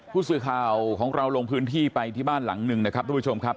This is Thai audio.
ผู้สื่อข่าวของเราลงพื้นที่ไปที่บ้านหลังหนึ่งนะครับทุกผู้ชมครับ